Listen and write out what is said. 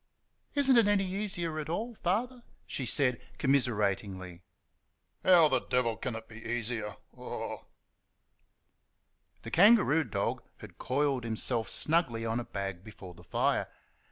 "Is n't it any easier at all, Father?" she said commiseratingly. "How the devil can it be easier?...Oh h!" The kangaroo dog had coiled himself snugly on a bag before the fire.